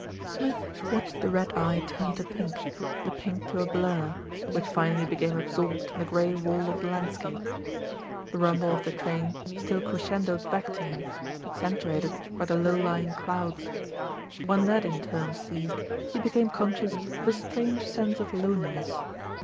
Smith watched the red eye turn to pink, the pink to a blur, which finally became absorbed in the grey wall of the landscape. The rumble of the train still crescendoed back to him, accentuated by the low lying clouds. When that in turn ceased, he became conscious of a strange sense of loneliness.